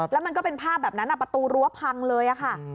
แล้วมันก็เป็นภาพแบบนั้นประตูรั้วพังเลยค่ะ